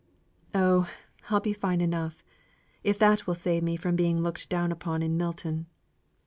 "Oh! I'll be fine enough, if that will save me from being looked down upon in Milton."